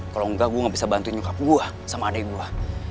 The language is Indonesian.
kalau enggak gue gak bisa bantuin nyukap gue sama adik gue